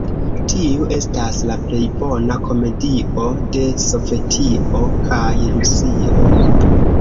Tiu estas la plej bona komedio de Sovetio kaj Rusio!